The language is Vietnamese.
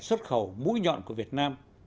xuất khẩu mũi nhọn của việt nam